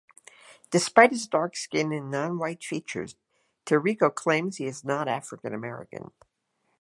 Despite his dark skin and non-white features, Tirico claims he is not African American.